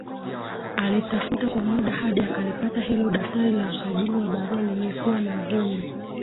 Alitafuta kwa muda hadi akalipata hilo daftari la usajili wa barua lilikuwa na vumbi